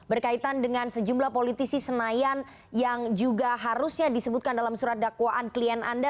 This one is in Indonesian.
berkaitan dengan sejumlah politisi senayan yang juga harusnya disebutkan dalam surat dakwaan klien anda